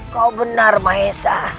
kau benar mahesa